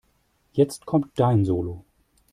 Jetzt kommt dein Solo.